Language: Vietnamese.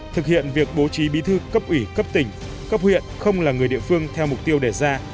thực hiện việc bố trí bí thư cấp ủy cấp tỉnh cấp huyện không là người địa phương theo mục tiêu đề ra